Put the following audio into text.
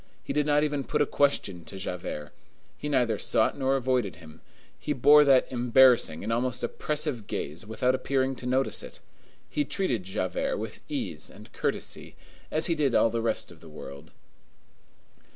He did not even put a question to Javert; he neither sought nor avoided him; he bore that embarrassing and almost oppressive gaze without appearing to notice it. He treated Javert with ease and courtesy, as he did all the rest of the world.